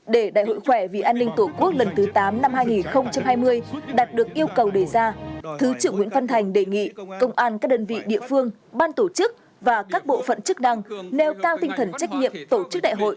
để đại hội khỏe vì an ninh tổ quốc lần thứ tám năm hai nghìn hai mươi đạt được yêu cầu đề ra thứ trưởng nguyễn văn thành đề nghị công an các đơn vị địa phương ban tổ chức và các bộ phận chức năng nêu cao tinh thần trách nhiệm tổ chức đại hội